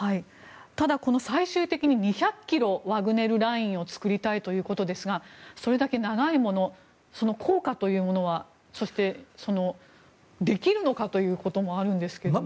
ただ、最終的に２００ｋｍワグネルラインを作りたいということですがそれだけ長いものその効果というものはそして、できるのかということもありますが。